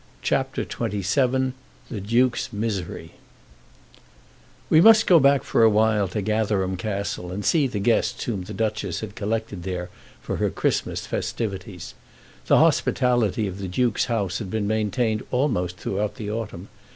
CHAPTER XXVII The Duke's Misery We must go back for a while to Gatherum Castle and see the guests whom the Duchess had collected there for her Christmas festivities. The hospitality of the Duke's house had been maintained almost throughout the autumn.